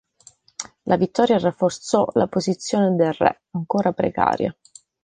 La vittoria rafforzò la posizione del re, ancora precaria.